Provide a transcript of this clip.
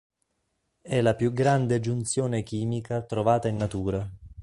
È la più grande giunzione chimica trovata in natura.